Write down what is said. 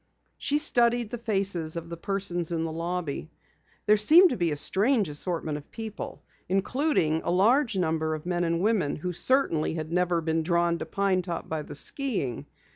She studied the faces of the persons in the lobby. There seemed to be a strange assortment of people, including a large number of men and women who certainly had never been drawn to Pine Top by the skiing.